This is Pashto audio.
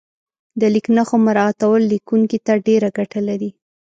د لیک نښو مراعاتول لیکونکي ته ډېره ګټه لري.